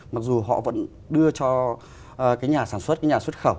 mặc dù họ vẫn đưa cho cái nhà sản xuất cái nhà xuất khẩu